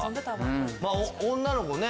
まあ女の子ね